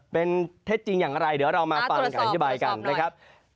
เป็นเท็จจริงอย่างไรเดี๋ยวเรามาฟังการอธิบายกันนะครับ